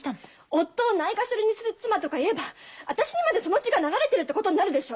夫をないがしろにする妻とか言えば私にまでその血が流れてるってことになるでしょ！？